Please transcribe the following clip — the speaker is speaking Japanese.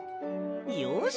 よし！